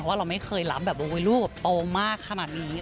เพราะว่าเราไม่เคยรับแบบโอ้ยรูปโตมากขนาดนี้